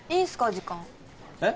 時間えっ？